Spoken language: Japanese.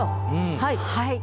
はい。